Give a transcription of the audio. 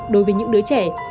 đối với những đứa trẻ